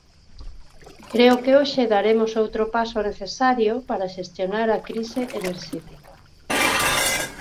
Creo que hoxe daremos outro paso necesario para xestionar a crise enerxética.